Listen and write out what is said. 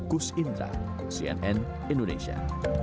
kus indra cnn indonesia